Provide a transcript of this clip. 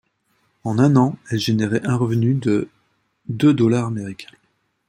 En un an, elle générait un revenu de de dollars américains.